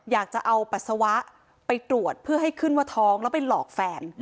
อยากจะเอาปัสสาวะไปตรวจเพื่อให้ขึ้นว่าท้องแล้วไปหลอกแฟน